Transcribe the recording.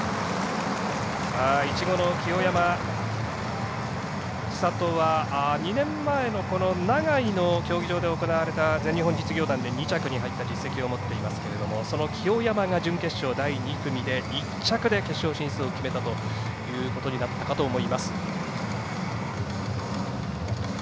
いちごの清山ちさとは２年前の長居の競技場で行われた全日本実業団で２着に入った実績を持っていますがその清山が準決勝第２組で１着で決勝進出を決めたということになったかと思います。